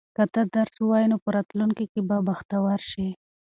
که ته درس ووایې نو په راتلونکي کې به بختور شې.